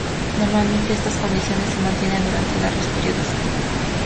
Normalmente estas condiciones se mantienen durante largos periodos de tiempo.